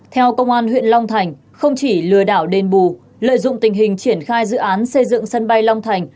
theo công an huyện long thành không chỉ lừa đảo đền bù lợi dụng tình hình triển khai dự án xây dựng sân bay long thành